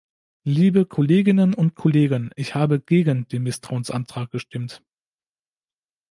Liebe Kolleginnen und Kollegen, ich habe gegen den Misstrauensantrag gestimmt.